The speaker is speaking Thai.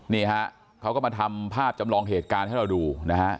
นี่ฮะเขาก็มาทำภาพจำลองเหตุการณ์ให้เราดูนะฮะ